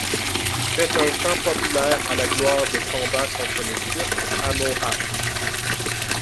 C'est un chant populaire à la gloire des combats contre les Turcs à Mohacs.